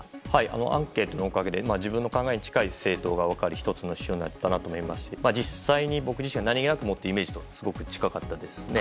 アンケートのおかげで自分の考えに近い政党が分かる１つの指標になったと思いますし、実際に僕自身が何気なく思っているイメージとすごく近かったです。